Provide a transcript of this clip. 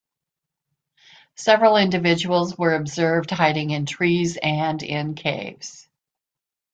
Several individuals were observed hiding in trees and in caves.